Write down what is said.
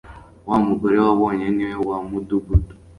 wa mugore wabonye ni we wa mudugudu